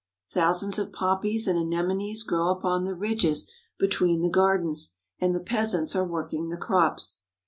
Thousands of poppies and anemones grow upon the ridges between the gardens, and the peasants are working the crops.